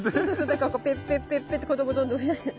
だからペッペッペッペ！って子どもどんどん増やして。